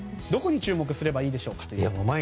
どこに注目すればいいでしょうか。